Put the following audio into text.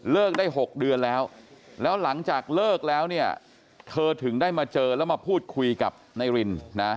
ได้๖เดือนแล้วแล้วหลังจากเลิกแล้วเนี่ยเธอถึงได้มาเจอแล้วมาพูดคุยกับนายรินนะ